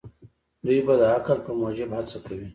دوی به د عقل په موجب هڅه کوي.